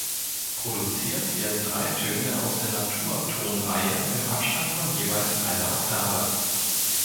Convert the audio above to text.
Produziert werden drei Töne aus der Naturtonreihe im Abstand von jeweils einer Oktave.